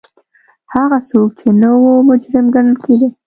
هغه څوک چې نه و مجرم ګڼل کېده.